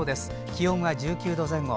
気温は１９度前後。